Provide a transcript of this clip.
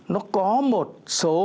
nó có một số